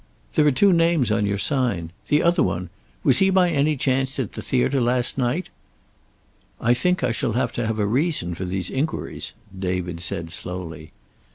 "There are two names on your sign. The other one, was he by any chance at the theater last night?" "I think I shall have to have a reason for these inquiries," David said slowly.